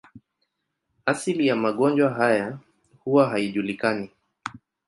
Asili ya magonjwa haya huwa hayajulikani.